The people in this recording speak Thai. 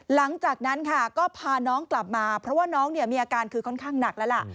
หลังจากนั้นค่ะก็พาน้องกลับมาเพราะว่าน้องเนี่ยมีอาการคือค่อนข้างหนักแล้วล่ะ